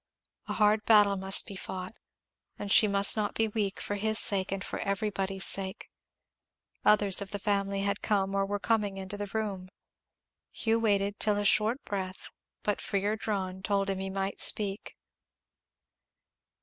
A hard battle must be fought, and she must not be weak, for his sake and for everybody's sake. Others of the family had come or were coming into the room. Hugh waited till a short breath, but freer drawn, told him he might speak.